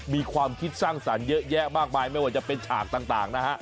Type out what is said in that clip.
มีความคิดสร้างสรรค์เยอะแยะมากมายไม่ว่าจะเป็นฉากต่างนะฮะ